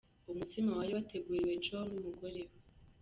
Umutsima wari wateguriwe Joe n'umugore we.